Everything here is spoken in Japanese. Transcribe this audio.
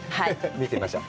見てみましょう。